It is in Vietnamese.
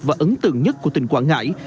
và ấn tượng nhất của tỉnh quảng ngãi